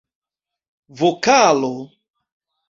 vokalo